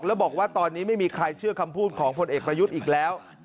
แล้วบอกว่าตอนนี้ไม่มีใครเชื่อคำพูดของพลเอกประยุทธ์อีกแล้ว